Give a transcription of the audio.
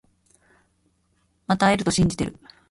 また会えると信じてる